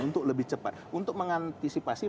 untuk lebih cepat untuk mengantisipasi